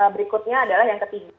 berikutnya adalah yang ketiga